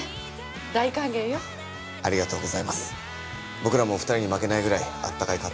僕らもお二人に負けないぐらいあったかい家庭を作ります。